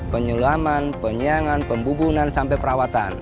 penyulaman penyiangan pembubunan sampai perawatan